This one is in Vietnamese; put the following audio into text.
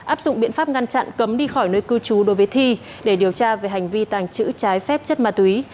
áp dụng biện pháp ngăn chặn cấm đi khỏi nơi cư trú đối với thi để điều tra về hành vi tàng trữ trái phép chất ma túy